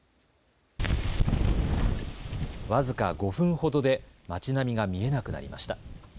僅か５分ほどで町並みが見えなくなりました。